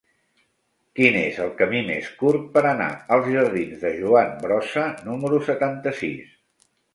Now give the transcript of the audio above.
Quin és el camí més curt per anar als jardins de Joan Brossa número setanta-sis?